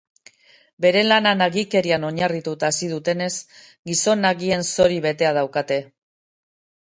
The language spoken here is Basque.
Beren lana nagikerian oinarrituta hasi dutenez, gizon nagien zori berea daukate.